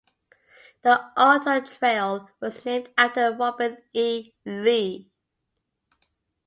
The auto trail was named after Robert E. Lee.